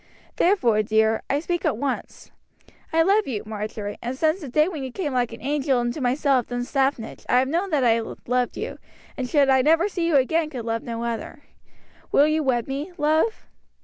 Therefore, dear, I speak at once. I love you, Marjory, and since the day when you came like an angel into my cell at Dunstaffnage I have known that I loved you, and should I never see you again could love none other. Will you wed me, love?"